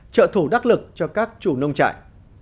trợ thủ đắc lực cho các chủ nông trại